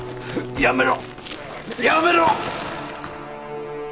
やめろ！